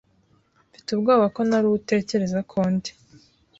Mfite ubwoba ko ntari uwo utekereza ko ndi.